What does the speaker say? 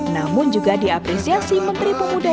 namun juga diapresiasi menteri pemuda